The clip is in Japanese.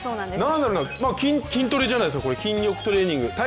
何だろう、筋トレじゃないですか、筋力トレーニング。